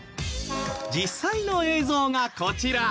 実際の映像がこちら！